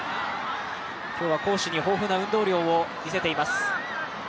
今日は攻守に豊富な運動量を見せています。